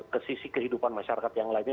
ke sisi kehidupan masyarakat yang lainnya